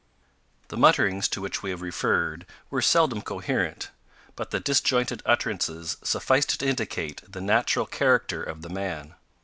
The mutterings to which we have referred were seldom coherent; but the disjointed utterances sufficed to indicate the natural character of the man.